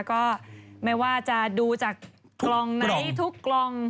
ก็ไม่ว่าจะดูจากกล่องไหนทุกกล่อง